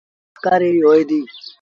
اُ مند وسڪآري ري هوئي ديٚ۔